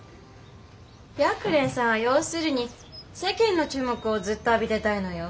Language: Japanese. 白蓮さんは要するに世間の注目をずっと浴びてたいのよ。